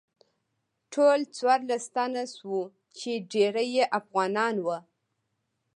ټول څوارلس تنه شوو چې ډیری یې افغانان وو.